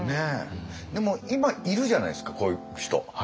でも今いるじゃないですかこういう人。